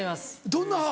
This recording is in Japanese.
どんな歯？